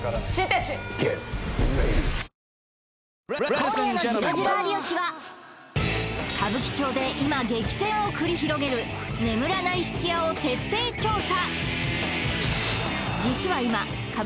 今夜の「ジロジロ有吉」は歌舞伎町で今激戦を繰り広げる眠らない質屋を徹底調査